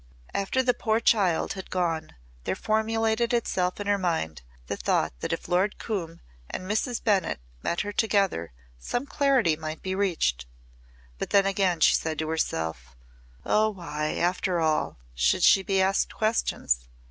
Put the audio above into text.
After the poor child had gone there formulated itself in her mind the thought that if Lord Coombe and Mrs. Bennett met her together some clarity might be reached. But then again she said to herself, "Oh why, after all, should she be asked questions?